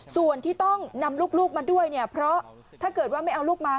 ส่วนที่ต้องนำลูกมาด้วยเนี่ยเพราะถ้าเกิดว่าไม่เอาลูกมา